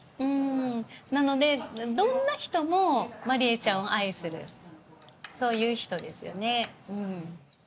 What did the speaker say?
なのでどんな人もまり恵ちゃんを愛するそういう人ですよね。